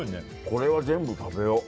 これは全部食べよう。